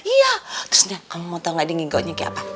iya terus nih kamu mau tau gak ada ngigonya kayak apa